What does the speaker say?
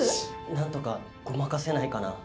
なんとかごまかせないかな？